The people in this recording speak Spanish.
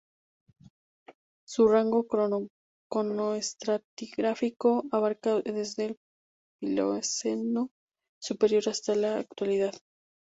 Su rango cronoestratigráfico abarca desde el Plioceno superior hasta la Actualidad.